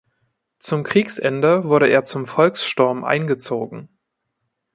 Zum Kriegsende wurde er zum Volkssturm eingezogen.